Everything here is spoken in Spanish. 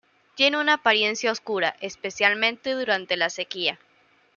Tiene una apariencia oscura, especialmente durante la sequía.